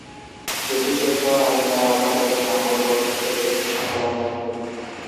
যুদ্ধ শেষ হওয়ার আগে তারা আবার তাদের নাম পরিবর্তন করে রেসিং কাতালান রাখে।